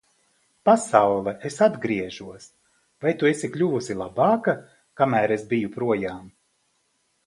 Pasaule, es atgriežos. Vai tu esi kļuvusi labāka, kamēr es biju projām?